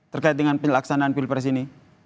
terkait dengan pelaksanaan pilpres ini